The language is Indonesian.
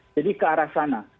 jadi ke arah sana